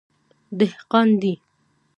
_دهقان دی.